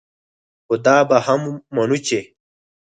خو دا به هم منو چې